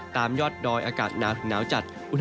ตามยอดดอยอากาศหนาวถึงหนาวจัด